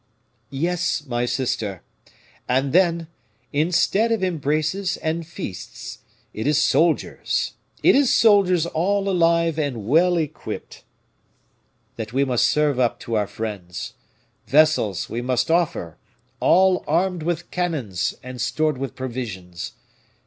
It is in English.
"Yes, my sister; and then, instead of embraces and feasts, it is soldiers it is soldiers all alive and well equipped that we must serve up to our friends; vessels we must offer, all armed with cannons and stored with provisions.